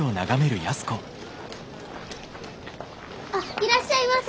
あっいらっしゃいませ。